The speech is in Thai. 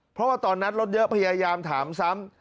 เพราะว่าตอนนัดรถเยอะพยายามถามซ้ำ